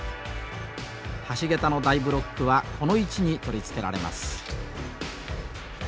橋桁の大ブロックはこの位置に取り付けられます。